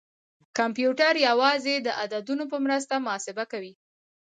کمپیوټر یوازې د عددونو په مرسته محاسبه کوي.